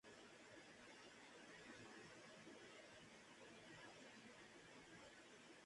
Rodrigues Lobo murió ahogado en el Tajo durante un viaje.